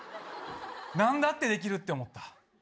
なんだってできるって思った。